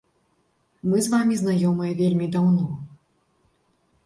Мы з вамі знаёмыя вельмі даўно.